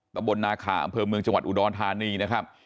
ตำบลนาขาอำเภอเมืองจังหวัดอุดรธานีนะครับ